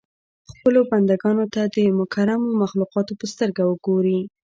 خپلو بنده ګانو ته د مکرمو مخلوقاتو په سترګه ګوري.